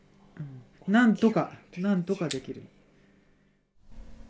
なんとかなんとかできる。